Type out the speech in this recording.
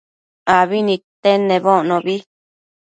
abi nidtenedbocnobi